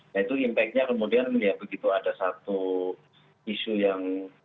nah itu impactnya kemudian ya begitu ada satu isu yang